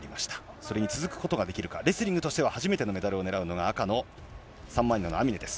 それに続くことができるか、レスリングとしては初めてのメダルを狙うのが、赤のサンマリノのアミネです。